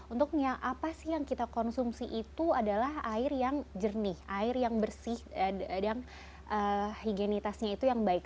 untuknya apa sih yang kita konsumsi itu adalah air yang jernih air yang bersih dan higienitasnya itu yang baik